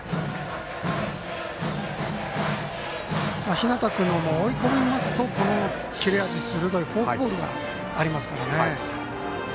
日當君も追い込みますとこの切れ味鋭いフォークボールがありますからね。